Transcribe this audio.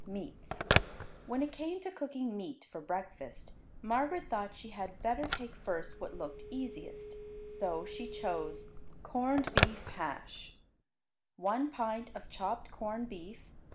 MEATS When it came to cooking meat for breakfast, Margaret thought she had better take first what looked easiest, so she chose Corned Beef Hash 1 pint of chopped corned beef.